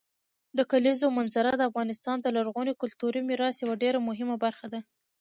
د کلیزو منظره د افغانستان د لرغوني کلتوري میراث یوه ډېره مهمه برخه ده.